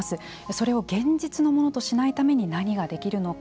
それを現実のものとしないために何ができるのか。